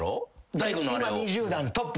大悟のそれは？